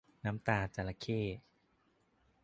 น้ำตาจระเข้